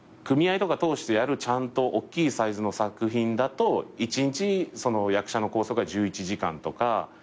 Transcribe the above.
組合とか通してやるちゃんとおっきいサイズの作品だと１日役者の拘束が１１時間とか。